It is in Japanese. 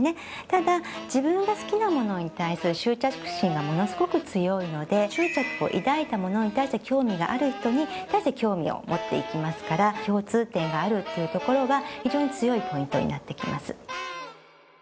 ただ自分が好きなものに対する執着心がものすごく強いので執着を抱いたものに対して興味がある人に対して興味を持っていきますから共通点があるっていうところは非常に強いポイントになってきます。